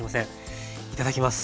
いただきます。